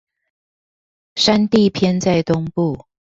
山地偏在東部